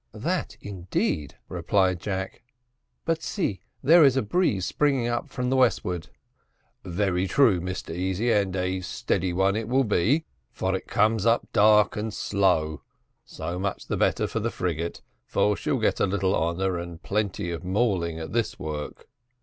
"That, indeed," replied Jack "but see, there is a breeze springing up from the westward." "Very true, Mr Easy, and a steady one it will be, for it comes up dark and slow; so much the better for the frigate, for she'll get little honour and plenty of mauling at this work."